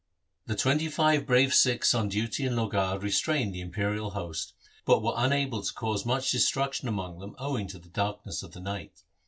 The twenty five brave Sikhs on duty in Lohgarh restrained the imperial host, but were unable to cause much destruction among them owing to the darkness of the night.